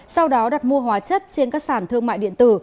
sau đó đặt mua hóa chất trên các sản thương mại điện tử